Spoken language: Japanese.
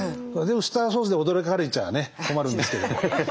でウスターソースで驚かれちゃね困るんですけど。